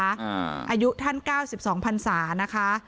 อายุท่าน๙๒พันศานะคะ